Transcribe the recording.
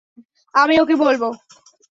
আমি ওকে বলব।